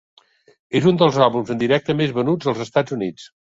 És un dels àlbums en directe més venuts als Estats Units.